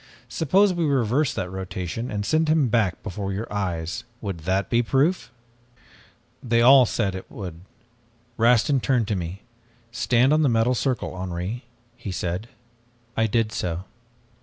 'Suppose we reverse that rotation and send him back before your eyes would that be proof?' "They all said that it would. Rastin turned to me. 'Stand on the metal circle, Henri,' he said. I did so.